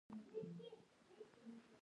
علم ټولنه له وروسته پاتې کېدو ژغوري.